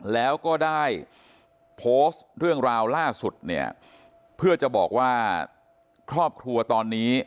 แล้วก็ได้โพสต์เรื่องราวล่าสุดเนี่ยเพื่อจะบอกว่าครอบครัวตอนนี้